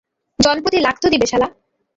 জন প্রতি লাখ তো দিবে, শালা।